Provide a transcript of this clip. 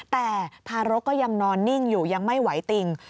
แต่ทารกก็ยังนอนนิ่งอยู่ยังไม่ไหวติ่ง